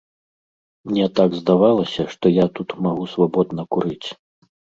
Мне так здавалася, што я тут магу свабодна курыць.